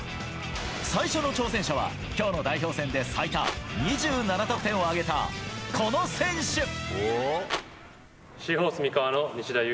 最初の挑戦者は今日の代表戦で最多２７得点を挙げたこの選手。